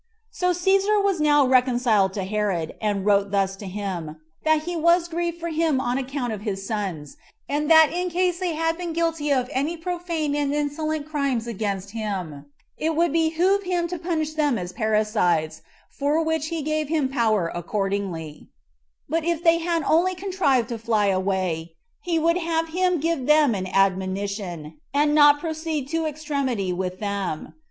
So Cæsar was now reconciled to Herod, and wrote thus to him: That he was grieved for him on account of his sons; and that in case they had been guilty of any profane and insolent crimes against him, it would behoove him to punish them as parricides, for which he gave him power accordingly; but if they had only contrived to fly away, he would have him give them an admonition, and not proceed to extremity with them.